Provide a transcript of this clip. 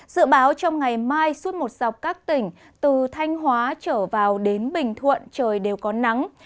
dự báo trong ngày mai suốt một dọc các tỉnh từ thanh hóa trở vào đến bình thuận trời đều có nắng